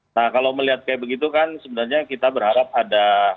nah kalau melihat kayak begitu kan sebenarnya kita berharap ada